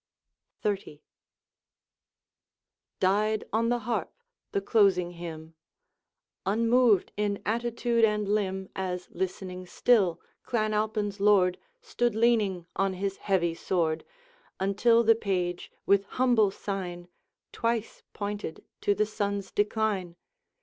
XXX. Died on the harp the closing hymn, Unmoved in attitude and limb, As listening still, Clan Alpine's lord Stood leaning on his heavy sword, Until the page with humble sign Twice pointed to the sun's decline.